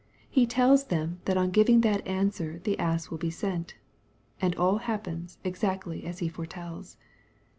He tells them that on giving that answer the ass will be sent. And all happens exactly as He foretells.